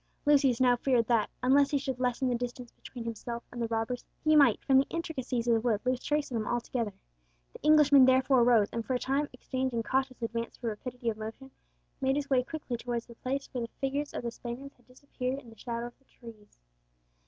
Lucius now feared that, unless he should lessen the distance between himself and the robbers, he might, from the intricacies of the wood, lose trace of them altogether. The Englishman therefore rose, and for a time exchanging cautious advance for rapidity of motion, made his way quickly towards the place where the figures of the Spaniards had disappeared in the shadow of the trees.